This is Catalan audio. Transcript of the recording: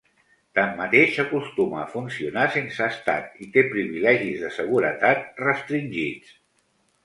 Tanmateix, acostuma a funcionar sense estat i té privilegis de seguretat restringits.